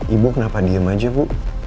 ibu kenapa diem aja bu